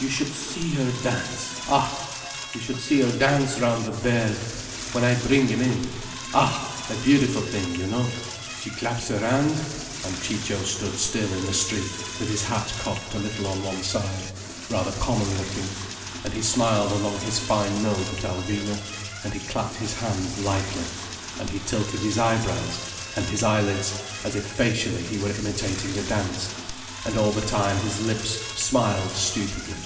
You should see her dance—ah! You should see her dance round the bear, when I bring him in! Ah, a beautiful thing, you know. She claps her hand—" And Ciccio stood still in the street, with his hat cocked a little on one side, rather common looking, and he smiled along his fine nose at Alvina, and he clapped his hands lightly, and he tilted his eyebrows and his eyelids as if facially he were imitating a dance, and all the time his lips smiled stupidly.